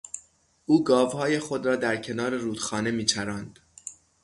او گاوهای خود را در کنار رودخانه میچراند.